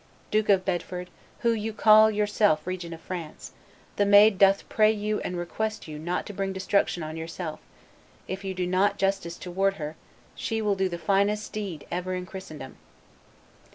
... Duke of Bedford, who call yourself regent of France, the Maid doth pray you and request you not to bring destruction on yourself; if you do not justice towards her, she will do the finest deed ever done in Christendom.